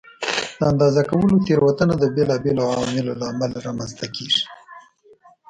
د اندازه کولو تېروتنه د بېلابېلو عواملو له امله منځته راځي.